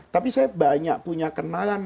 tapi saya banyak punya kenalan